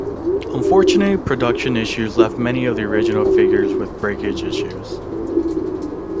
Unfortunately production issues left many of the original figures with breakage issues.